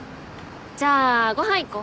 じゃあご飯行こ。